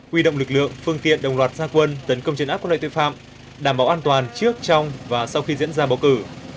huy động lực lượng phương tiện đồng loạt gia quân tấn công chấn áp các loại tội phạm đảm bảo an toàn trước trong và sau khi diễn ra bầu cử